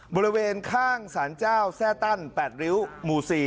บริเวณข้างสารเจ้าแซ่ตั้น๘ริ้วหมู่๔